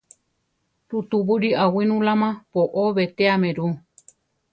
Rutubúli awínula má boʼó betéame ru.